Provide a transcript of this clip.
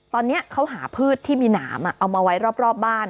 ตอนนี้เขาหาพืชที่มีหนามเอามาไว้รอบบ้าน